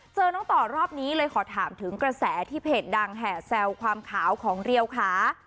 เจอน้องต่อรอบนี้เลยขอถามถึงกระแสที่เพจดังแห่แซวความขาวของเรียวขา